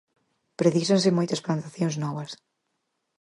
Precísanse moitas plantacións novas.